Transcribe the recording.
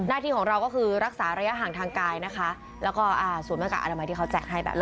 ที่ของเราก็คือรักษาระยะห่างทางกายนะคะแล้วก็สวมหน้ากากอนามัยที่เขาแจกให้แบบ